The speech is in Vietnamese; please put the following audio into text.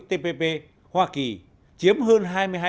tpp hoa kỳ chiếm hơn